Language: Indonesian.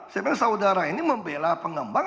saya bilang saudara ini membela pengembang